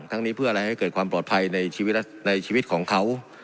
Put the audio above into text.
ทั้งนี้เพื่ออะไรให้เกิดความปลอดภัยในชีวิตในชีวิตของเขา